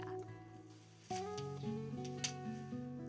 komariah dan imas tinggal memungut buah yang berjatuhan dan mengambil isi kapasnya